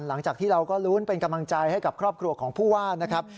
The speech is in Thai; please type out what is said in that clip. หลังจากที่เราก็ลุ้นเป็นกำลังใจให้กับครอบครัวของผู้ว่านะครับ